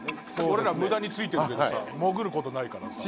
俺ら無駄についてるけどさ潜ることないからさ。